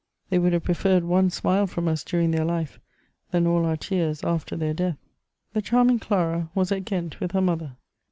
They would have preferred one smile from us during their life than all our tears after their death. The charming Clara was at Ghent with her mother.